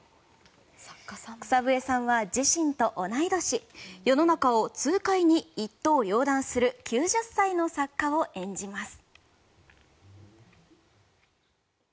草笛さんは、自身と同い年世の中を痛快に一刀両断する９０歳の作家を演じます。